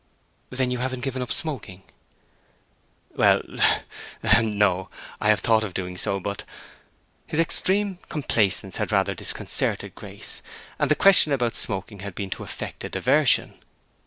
"Then you haven't given up smoking?" "Well—ahem—no. I have thought of doing so, but—" His extreme complacence had rather disconcerted Grace, and the question about smoking had been to effect a diversion.